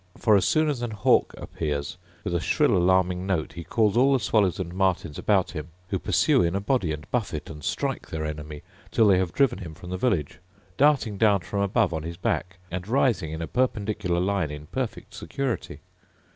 For as soon as an hawk appears, with a shrill alarming note he calls all the swallows and martins about him; who pursue in a body, and buffet and strike their enemy till they have driven him from the village, darting down from above on his back, and rising in a perpendicular line in perfect security.